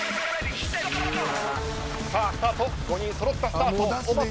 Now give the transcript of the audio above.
スタート５人そろったスタート。